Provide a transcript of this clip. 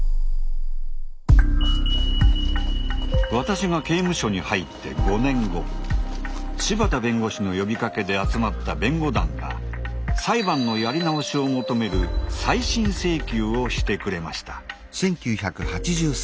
私が刑務所に入って５年後柴田弁護士の呼びかけで集まった弁護団が裁判のやり直しを求める「再審請求」をしてくれました。